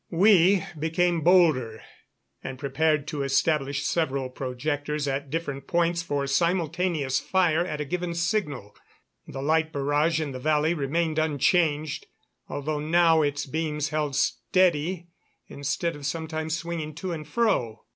We became bolder and prepared to establish several projectors at different points for simultaneous fire at a given signal. The light barrage in the valley remained unchanged, although now its beams held steady instead of sometimes swinging to and fro.